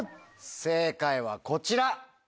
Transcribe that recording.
正解はこちら。